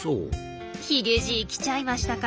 ヒゲじい来ちゃいましたか。